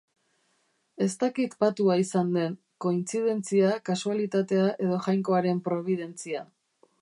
Ez dakit patua izan den, kointzidentzia, kasualitatea edo Jainkoaren probidentzia.